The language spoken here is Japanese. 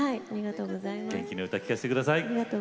元気な歌を聴かせてください。